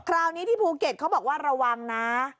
คราวนี้ที่ภูเก็ตเขาบอกว่าระวังนะ